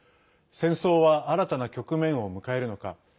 戦争は新たな局面を迎えるのか。